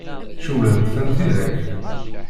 Cewwlent-tent tidak?